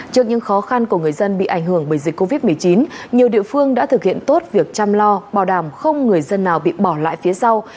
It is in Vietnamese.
trước những khó khăn của người dân bị ảnh hưởng bởi dịch covid một mươi chín nhiều địa phương đã thực hiện tốt việc chăm lo bảo đảm không người dân nào bị bỏ lại phía sau